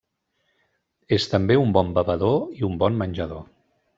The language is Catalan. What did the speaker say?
És també un bon bevedor i un bon menjador.